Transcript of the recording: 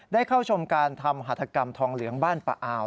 ได้เข้าชมการทำหัฐกรรมทองเหลืองบ้านปะอาว